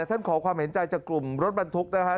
ท่านขอความเห็นใจจากกลุ่มรถบรรทุกนะครับ